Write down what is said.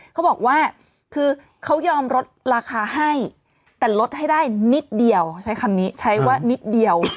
เขาบอกว่าคือเขายอมลดราคาให้แต่ลดให้ได้นิดเดียวใช้คำนี้ใช้ว่านิดเดียว